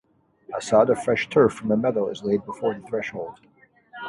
A sod of fresh turf from a meadow is laid before the threshold.